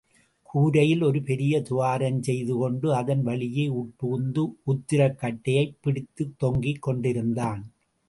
கூரையில் ஒரு பெரிய துவாரஞ்செய்து கொண்டு அதன் வழியே உட்புகுந்து உத்திரக்கட்டையைப் பிடித்துக் தொங்கிக் கொண்டிருந்தான்.